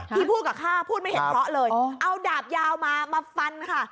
ที่พูดกับข้าพูดไม่เห็นเพราะเลยเอาดาบยาวมามาฟันค่ะ